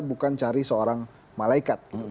bukan cari seorang malaikat